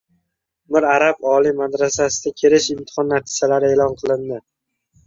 Mir Arab oliy madrasasida kirish imtihon natijalari e’lon kilindi